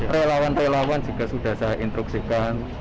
relawan relawan juga sudah saya instruksikan